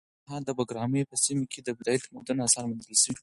د ننګرهار د بګراميو په سیمه کې د بودايي تمدن اثار موندل شوي دي.